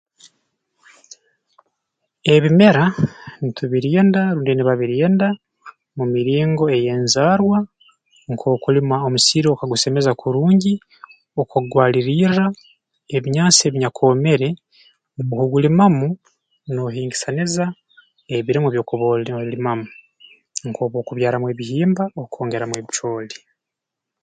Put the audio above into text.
Ebimera ntubirinda rundi nibabirinda mu miringo ey'enzaarwa nk'okulima omusiri okagusemeza kurungi okagwalirirra ebinyansi ebinyakwomere obu ogulimamu noohingisaniza ebirimwa ebi okuba oli olimamu nk'obwokubyaramu ebihimba okongeramu ebicooli